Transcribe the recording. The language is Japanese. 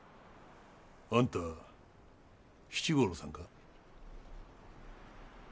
あんた七五郎さんか。